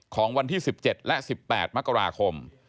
ของวันที่๑๗และ๑๘มกราคม